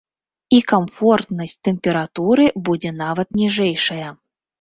І камфортнасць тэмпературы будзе нават ніжэйшая.